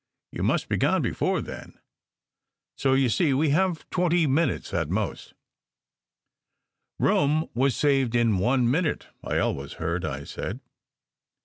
You must be gone before then, so you see we have twenty minutes at most/* "Rome was saved in one minute, I ve always heard," I said.